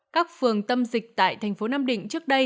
các phường tâm dịch tại tp nam định